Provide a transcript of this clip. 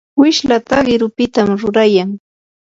wishlata qirupitam rurayan.